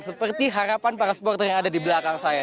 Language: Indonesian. seperti harapan para supporter yang ada di belakang saya